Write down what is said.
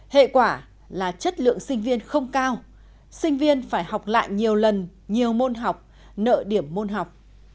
hệ quả là chất lượng sinh viên không cao sinh viên phải học lại nhiều lần nhiều môn học nợ điểm môn học